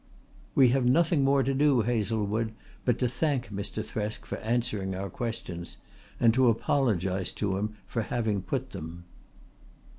"We have nothing more to do, Hazlewood, but to thank Mr. Thresk for answering our questions and to apologise to him for having put them."